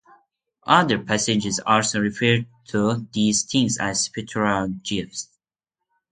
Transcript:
Other passages also refer to these things as spiritual gifts.